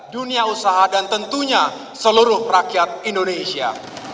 dunia usaha dan tentunya seluruh rakyat indonesia